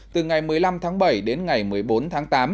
từ ngày một mươi năm tháng bảy đến ngày một mươi bốn tháng tám